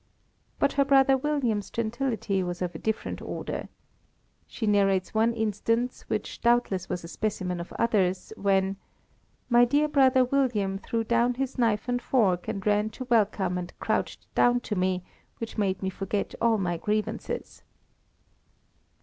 But her brother William's gentility was of a different order. She narrates one instance, which doubtless was a specimen of others, when "My dear brother William threw down his knife and fork and ran to welcome and crouched down to me, which made me forget all my grievances."